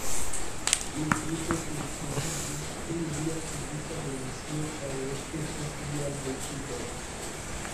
Mi tute surpriziĝis pri lia subita demisio, kaj respektas lian decidon.